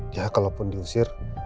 ya kalau pun diusir